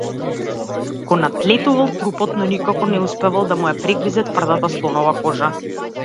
Го надлетувал трупот, но никако не успевал да му ја прегризе тврдата слонова кожа.